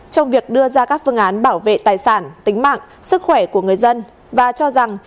trong việc đưa ra các phương án bảo vệ tài sản tính mạng sức khỏe của người dân và cho rằng